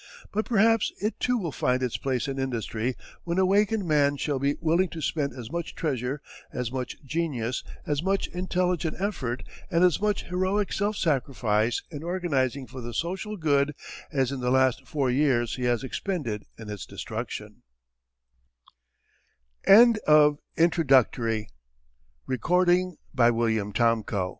But perhaps it too will find its place in industry when awakened man shall be willing to spend as much treasure, as much genius, as much intelligent effort, and as much heroic self sacrifice in organizing for the social good as in the last four years he has expended in its